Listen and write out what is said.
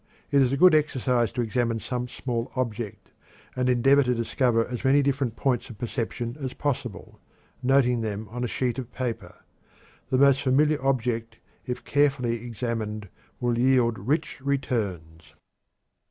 It is a good exercise to examine some small object and endeavor to discover as many separate points of perception as possible, noting them on a sheet of paper. The most familiar object, if carefully examined, will yield rich returns.